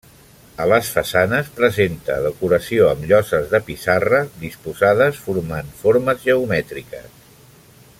A les façanes presenta decoració amb lloses de pissarra disposades formant formes geomètriques.